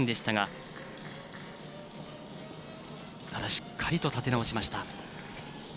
ただ、しっかりと立て直しました。